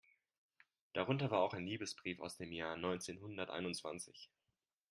Darunter war auch ein Liebesbrief aus dem Jahr neunzehnhunderteinundzwanzig.